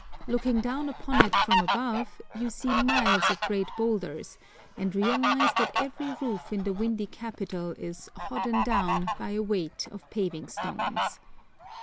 Looking down upon it from above you see miles of grey boulders, and realise that every roof in the windy capital is "hodden doun" by a weight of paving stones.